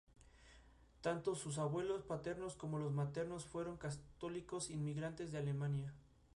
Tanto sus abuelos paternos como los maternos fueron católicos inmigrantes de Alemania.